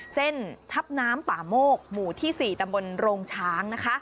เส้นทัพน้ำป่าโมกหมู่ที่๔ตำบลโรงช้างนะคะ